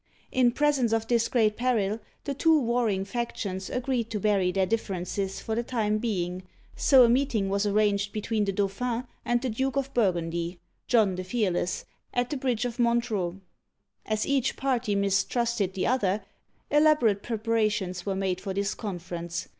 In presence of this great peril, the two warring factions agreed to bury their differences for the time being, so a meet ing was arranged between the Dauphin and the Duke of Burgundy (John the Fearless) at the bridge of Monte reau (m6Nt ro'). As each party mistrusted the other, elaborate preparations were made for this conference.